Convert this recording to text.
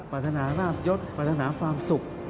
ปรารถนาราบยศปรารถนาความสุข